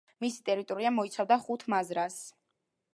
მისი ტერიტორია მოიცავდა ხუთ მაზრას.